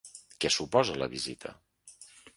Que suposa la visita?